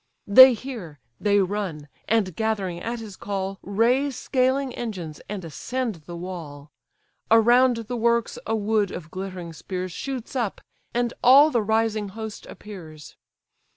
They hear, they run; and, gathering at his call, Raise scaling engines, and ascend the wall: Around the works a wood of glittering spears Shoots up, and all the rising host appears.